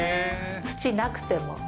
土なくても？